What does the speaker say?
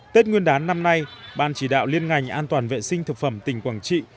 tết nguyên đán năm nay ban chỉ đạo liên ngành an toàn vệ sinh thực phẩm tỉnh quảng trị